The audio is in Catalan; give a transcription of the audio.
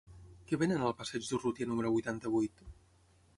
Què venen al passeig d'Urrutia número vuitanta-vuit?